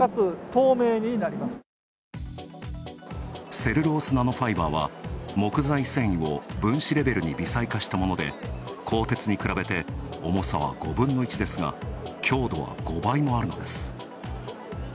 セルロースナノファイバーは、木材繊維を分子レベルに微細化したもので鋼鉄に比べて重さは５分の１ですが、強度は５倍もあるのです。